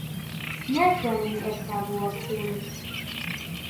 ناتوانین ئێستا بوەستین.